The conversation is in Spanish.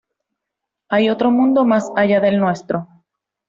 Hay otro mundo más allá del nuestro.